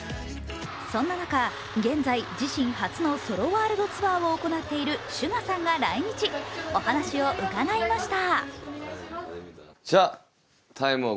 そんな中、現在、自身初のソロワールドツアーを行っているＳＵＧＡさんが来日お話を伺いました。